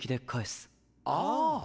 ああ。